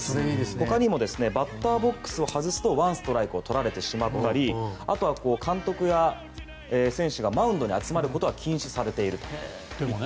ほかにもバッターボックスを外すと１ストライクを取られてしまったりあとは監督や選手がマウンドに集まることは禁止されていると。